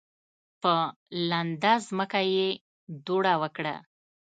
په لنده ځمکه یې دوړه وکړه.